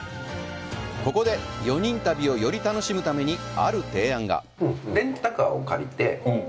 ここで、４人旅をより楽しむために、ある提案が。